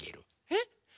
えっ？